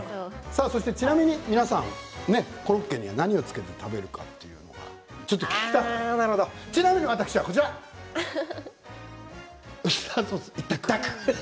ちなみに皆さんコロッケに何をつけて食べるかということ聞きたくてちなみに私はこちらウスターソース一択。